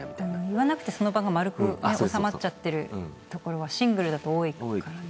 言わなくてその場が丸く収まっちゃってるところはシングルだと多いからね。